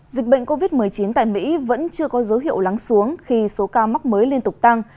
dịch bệnh covid một mươi chín tại mỹ vẫn chưa có dấu hiệu lắng xuống khi số ca mắc mới liên tục tăng